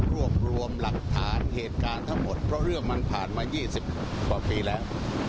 รวบรวมหลักฐานเหตุการณ์ทั้งหมดเพราะเรื่องมันผ่านมา๒๐กว่าปีแล้ว